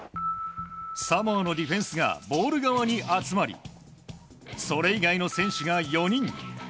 サモアのディフェンスがボール側に集まりそれ以外の選手が４人。